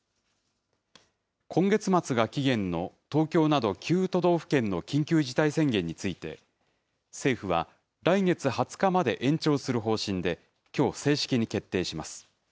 今月末が期限の東京など９都道府県の緊急事態宣言について、政府は来月２０日まで延長する方針で、きょう正式に決定します。